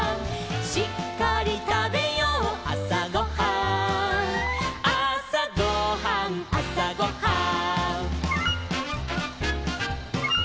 「しっかりたべようあさごはん」「あさごはんあさごはん」